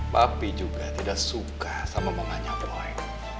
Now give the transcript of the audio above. papi juga tidak suka sama mamanya boy